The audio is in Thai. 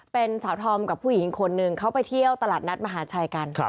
เป็นสาวธอมกับผู้หญิงคนหนึ่งเขาไปเที่ยวตลาดนัดมหาชัยกัน